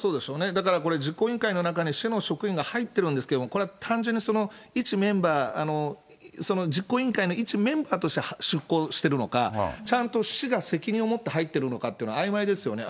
だからこれ、実行委員会の中に市の職員が入ってるんですけれども、これは単純にいちメンバー、実行委員会の一メンバーとして出向してるのか、ちゃんと市が責任を持って入っているのかっていうのはあいまいですよね。